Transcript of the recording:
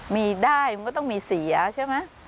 มีได้มันก็ต้องมีเสียใช่ไหม